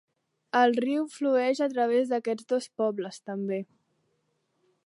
El riu flueix a través d'aquests dos pobles també.